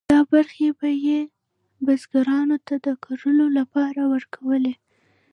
دا برخې به یې بزګرانو ته د کرلو لپاره ورکولې.